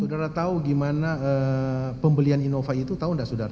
saudara tahu gimana pembelian inova itu tahu tidak saudara